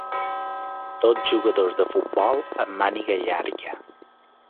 dos jugadors de futbol amb màniga llarga